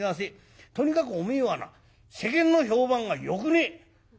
とにかくおめえはな世間の評判がよくねえ」。